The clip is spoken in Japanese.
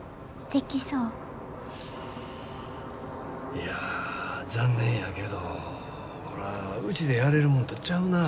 いや残念やけどこらうちでやれるもんとちゃうな。